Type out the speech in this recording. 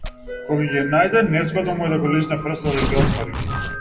Ко ќе ги најде, незгодно му е да го лижне прстот да ги отвори.